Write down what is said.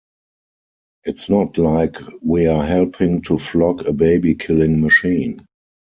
It's not like we're helping to flog a baby-killing machine.